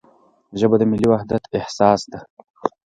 ژبه د ملي وحدت اساس ده.